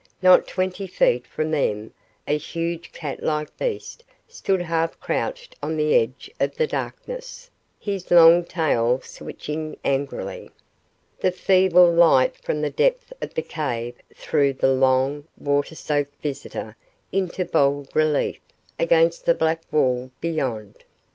Not twenty feet from them a huge cat like beast stood half crouched on the edge of the darkness, his long tail switching angrily. The feeble light from the depth of the cave threw the long, water soaked visitor into bold relief against the black wall beyond.